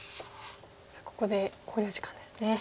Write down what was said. さあここで考慮時間ですね。